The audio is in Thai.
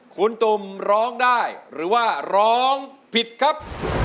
คุณตุ่มร้องได้หรือว่าร้องผิดครับ